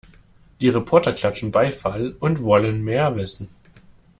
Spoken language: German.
Die Reporter klatschen Beifall und wollen mehr wissen.